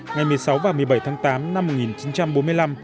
ngày một mươi sáu và một mươi bảy tháng tám năm một nghìn chín trăm bốn mươi năm